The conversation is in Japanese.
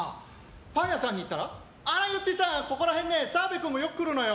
パン屋さんに行ったらあらゆってぃ君澤部君もよく来るのよ。